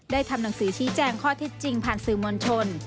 ทำหนังสือชี้แจงข้อเท็จจริงผ่านสื่อมวลชน